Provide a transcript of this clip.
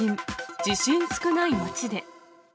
地震少ない街で。